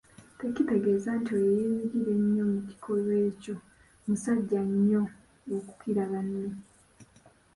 Tekitegeeza nti oyo eyeenyigira ennyo mu kikolwa ekyo musajja nnyo okukira banne.